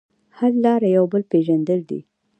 حل لاره یو بل پېژندل دي.